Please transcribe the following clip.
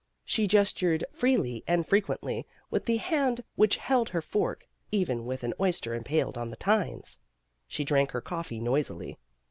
She gestured freely and frequently with the hand which held her fork, even with an oyster impaled on the tines. She drank her cof fee noisily.